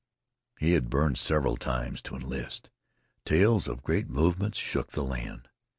He had burned several times to enlist. Tales of great movements shook the land.